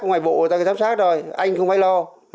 ngoài bộ người ta giám sát rồi anh không phải lo